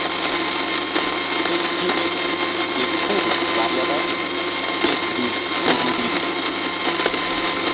Ke ti̧h ke puh baleke ziŋ duhruri.